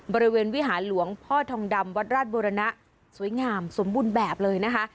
บริเวณวิหารหลวงพ่อทองดำวัดราชบุรณะสวยงามสมบูรณ์แบบเลยนะคะ